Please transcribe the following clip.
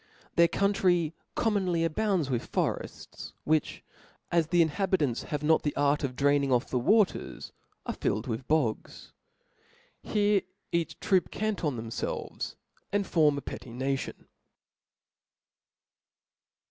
Their country commonly abounds with forefts; \7hich, as this inhabitants have not the art of cjraining off the waters, are filled with bogs ; here each troop canton themfclvcs, and form a petty Option.